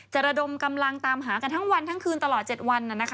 ระดมกำลังตามหากันทั้งวันทั้งคืนตลอด๗วัน